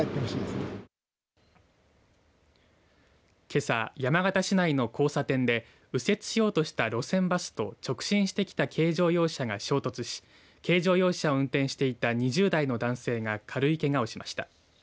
けさ、山形市内の交差点で右折しようとした路線バスと直進してきた軽乗用車が衝突し軽乗用車を運転していた２０代の男性が軽いけがをしました。